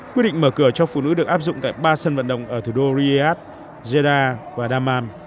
quyết định mở cửa cho phụ nữ được áp dụng tại ba sân vận động ở thủ đô riyadh jeddah và daman